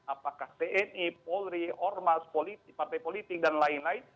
apakah tni polri ormas politik partai politik dan lain lain